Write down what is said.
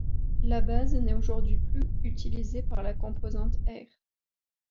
La base n'est aujourd'hui plus utilisée par la Composante Air.